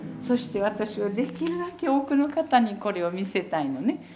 そして私はできるだけ多くの方にこれを見せたいのね。